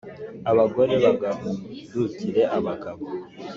Abagore bagandukire abagabo